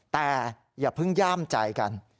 แต่อย่าเพิ่งย่ามใจกัน